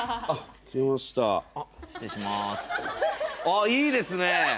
あいいですね！